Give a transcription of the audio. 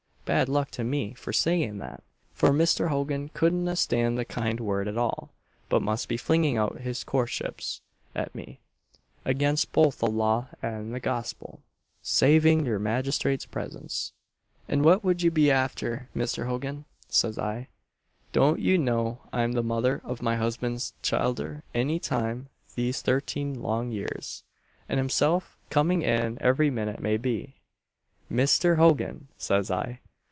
bad luck to me for saying that! for Mr. Hogan couldna stand the kind word at all, but must be flinging out his coortships at me against both the law and the gospel saving your magistrate's presence. 'And what would ye be after, Misther Hogan?' says I 'Don't you know I'm the mother of my husband's childer any time these thirteen long years and himself coming in every minute may be, Misther Hogan!' says I.